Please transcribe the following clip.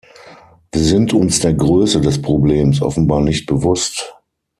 Wir sind uns der Größe des Problems offenbar nicht bewusst!